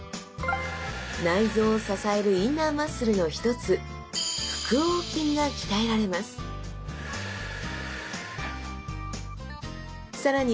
内臓を支えるインナーマッスルの一つ腹横筋が鍛えられます更に！